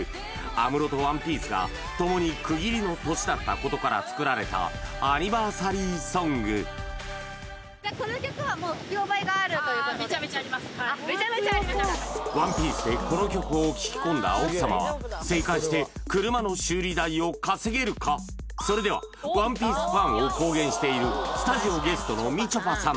安室と「ＯＮＥＰＩＥＣＥ」がともに区切りの年だったことから作られたアニバーサリーソングめちゃめちゃありますか「ＯＮＥＰＩＥＣＥ」でこの曲を聴き込んだ奥様は正解して車の修理代を稼げるかそれではしているスタジオゲストのみちょぱさん